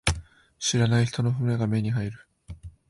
知らない人の群れが目に入る。